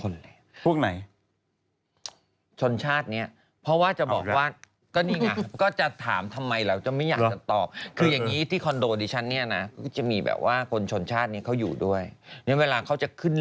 นึกออกไหมแล้วลิฟต์มันเปิดปึ๊ดอย่างนี้แล้วตกไปข้างล่าง